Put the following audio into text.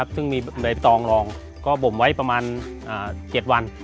ซึ่งมีใบตองรองก็บ่มไว้ประมาณ๗วัน